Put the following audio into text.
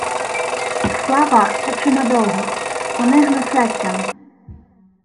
— Слава, та чи надовго? Вони гнусяться мм...